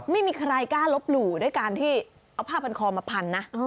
ไม่มีใครกล้าลบหลู่ด้วยการที่เอาผ้าพันคอมาพันนะ